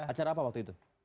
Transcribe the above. acara apa waktu itu